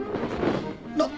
なっ！？